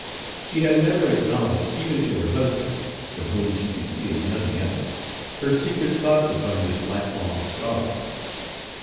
She had never acknowledged, even to her husband, from whom she concealed nothing else, her secret thoughts upon this lifelong sorrow.